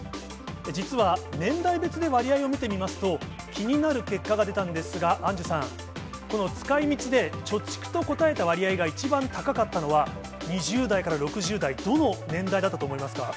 実は、年代別で割合を見てみますと、気になる結果が出たんですが、アンジュさん、この使いみちで貯蓄と答えた割合が一番高かったのは、２０代から６０代、どの年代だったと思いますか。